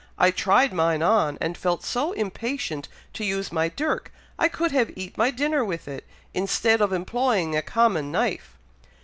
I tried mine on, and felt so impatient to use my dirk, I could have eat my dinner with it, instead of employing a common knife."